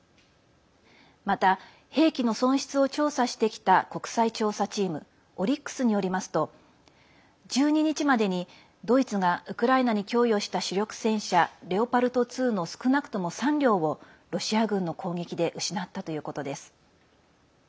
また、兵器の損失を調査してきた国際調査チームＯｒｙｘによりますと１２日までにドイツがウクライナに供与した主力戦車レオパルト２の少なくとも３両をロシア軍の攻撃で失ったということです。